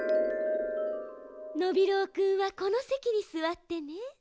ノビローくんはこのせきにすわってね。